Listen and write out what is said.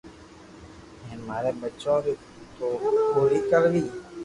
ھين ماري ٻچو ري بو پوري ڪروي